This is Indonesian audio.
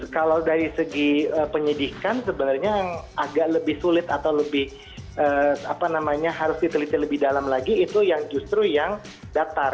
kalau dari segi penyidikan sebenarnya yang agak lebih sulit atau lebih apa namanya harus diteliti lebih dalam lagi itu yang justru yang datar